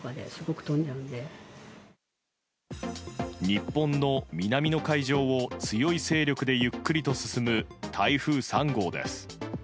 日本の南の海上を強い勢力でゆっくりと進む台風３号です。